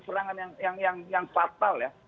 serangan yang fatal ya